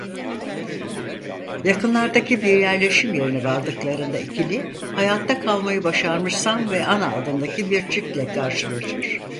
Yakınlardaki bir yerleşim yerine vardıklarında ikili hayatta kalmayı başarmış Sam ve Ana adındaki bir çiftle karşılaşır.